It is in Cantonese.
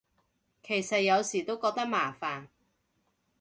其實有時都覺得麻煩